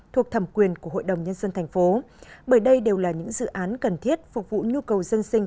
thuộc thẩm quyền của hội đồng nhân dân thành phố bởi đây đều là những dự án cần thiết phục vụ nhu cầu dân sinh